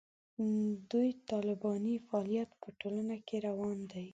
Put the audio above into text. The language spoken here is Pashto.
دوی طالباني فعالیت په ټولنه کې روان دی.